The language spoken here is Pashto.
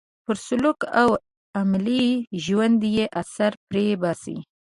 پر سلوک او عملي ژوند یې اثر پرې باسي.